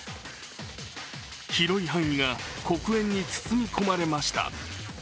広い範囲が黒煙に包み込まれました。